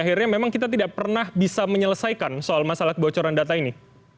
akhirnya memang kita tidak pernah bisa menyelesaikan soal masalah kebocoran data ini